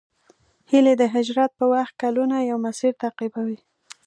هیلۍ د هجرت په وخت کلونه یو مسیر تعقیبوي